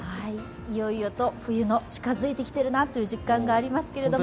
いよいよ冬が近づいてきているなという実感がありますけど。